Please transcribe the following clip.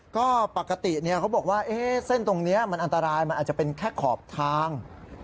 ก็ปกติเขาบอกว่าเส้นตรงนี้มันอันตรายมันอาจจะเป็นแค่ขอบทาง